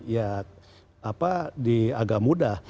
ya agak mudah